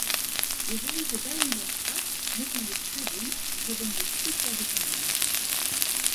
"Jeżeli wydaję rozkaz, muszę być pewien, że będzie ściśle wykonany."